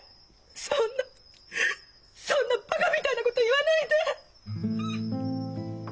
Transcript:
そんなそんなバカみたいなこと言わないで！